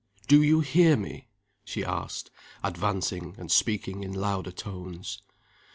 "Do you hear me?" she asked, advancing and speaking in louder tones.